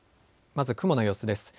まず雲の様子です。